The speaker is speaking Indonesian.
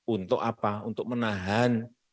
untuk apa untuk menahan